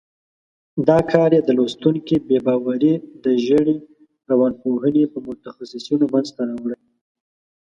دا کار یې د لوستونکي بې باوري د زېړې روانپوهنې په متخصیصینو منځته راوړي.